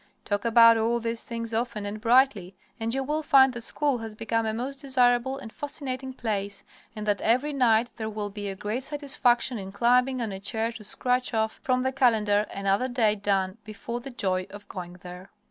Talk about all these things often and brightly and you will find that school has become a most desirable and fascinating place, and that every night there will be a great satisfaction in climbing on a chair to scratch off from the calendar another day done before the joy of going there.